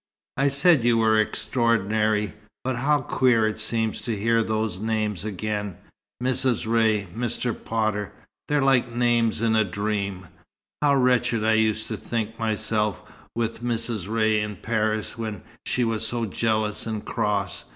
"I said you were extraordinary! But how queer it seems to hear those names again. Mrs. Ray. Mr. Potter. They're like names in a dream. How wretched I used to think myself, with Mrs. Ray in Paris, when she was so jealous and cross!